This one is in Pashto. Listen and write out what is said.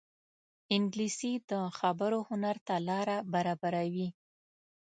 انګلیسي د خبرو هنر ته لاره برابروي